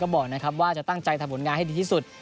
บอกนะครับว่าจะตั้งใจทำผลงานให้ดีที่สุด